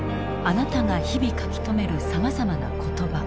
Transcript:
あなたが日々書き留めるさまざまな言葉。